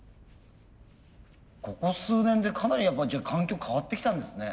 ここ数年でかなりやっぱ環境変わってきたんですね。